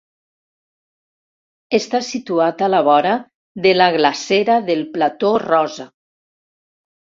Està situat a la vora de la glacera del Plateau Rosa.